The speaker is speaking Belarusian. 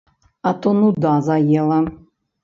А то нуда заела.